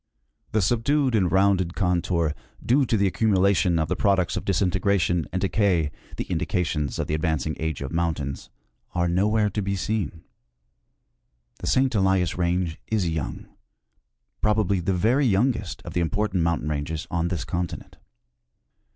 The subdued and rounded contour, due to the accumulation of the products of disintegration and decay, the indications of the ad vancing age of mountains, are nowhere to be seen. The St. Elias range is young ; probably the very youngest of the important mountain ranges on this continent.